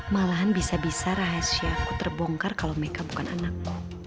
malahan bisa bisa rahasia aku terbongkar kalau meka bukan anakku